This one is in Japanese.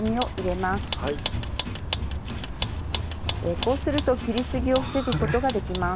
こうすると切りすぎを防ぐことができます。